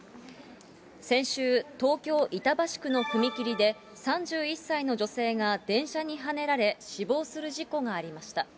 先週、東京・板橋区の踏切で、３１歳の女性が電車にはねられ死亡する事故がありました。